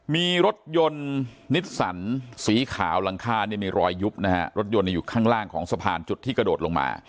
มีรถยนต์นิสสันสีขาวหลังคานี่มีรอยยุบนะฮะรถยนต์อยู่ข้างล่างของสะพานจุดที่กระโดดลงมา